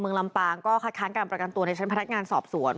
ลำปางก็คัดค้างการประกันตัวในชั้นพนักงานสอบสวน